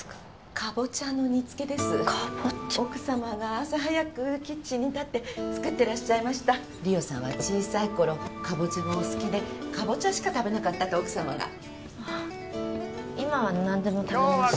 カボチャ奥様が朝早くキッチンに立って作ってらっしゃいました梨央さんは小さい頃カボチャがお好きでカボチャしか食べなかったと奥様が今は何でも食べます